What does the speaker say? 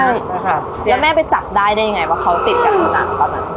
ใช่นะครับแล้วแม่ไปจับได้ได้ยังไงว่าเขาติดกันขนาดตอนนั้น